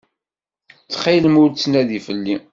Ttxilem ur ttnadi fell-i.